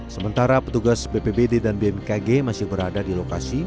sementara petugas bpbd dan bmkg masih berada di lokasi